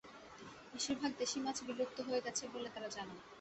বেশির ভাগ দেশি মাছ বিলুপ্ত হয়ে গেছে বলে তাঁরা জানান।